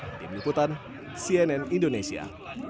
tim keputusan cnn indonesia